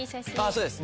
そうです。